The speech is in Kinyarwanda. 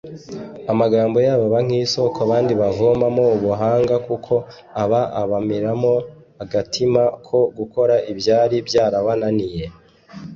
Amagambo yabo aba nk’isoko abandi bavomamo ubuhanga kuko aba abaremamo agatima ko gukora ibyari byarabananiye